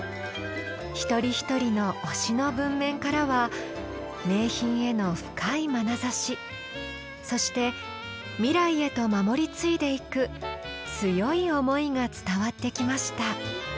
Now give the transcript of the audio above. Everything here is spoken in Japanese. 一人一人の「推し」の文面からは名品への深いまなざしそして未来へと守り継いでいく強い思いが伝わってきました。